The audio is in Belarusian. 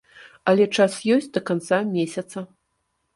Але час ёсць да канца месяца.